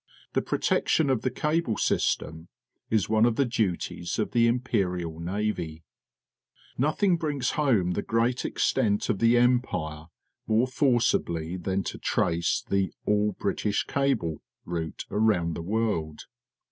The protection of the cable system is one of the duties of_th e Im perial Navy. Nothing brings home the great extent of the Empire more forcibly than to trace the " All Briti.sh cable" rou_t ^ around the world.